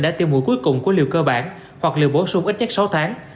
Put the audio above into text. đã tiêu mũi cuối cùng của liều cơ bản hoặc liều bổ sung ít nhất sáu tháng